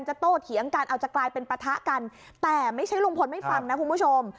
โตเถียงกันเอาจะกลายเป็นปะทะกันแต่ไม่ใช่ลุงพลไม่ฟังนะคุณผู้ชม